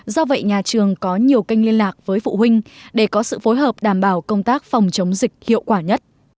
do vậy nhà trường có nhiều kênh liên lạc với phụ huynh để có thể đón trả học sinh